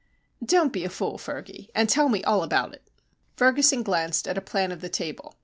"Don't be a fool, Fergy, and tell me all about it." Ferguson glanced at a plan of the table.